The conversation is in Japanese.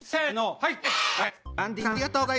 はい。